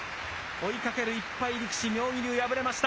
追いかける１敗力士、妙義龍、敗れました。